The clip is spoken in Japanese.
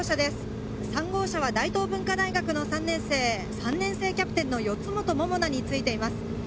３号車は大東文化大学の３年生、３年生キャプテンの四元桃奈についています。